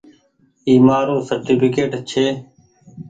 اي مآرو سرٽيڦڪيٽ ڇي۔